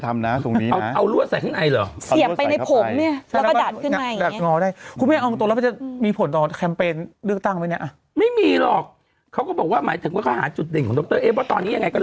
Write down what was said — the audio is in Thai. ตอนแรกหนูไม่เห็นตกใจหรอก